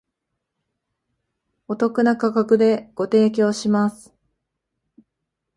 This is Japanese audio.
お得な価格でご提供します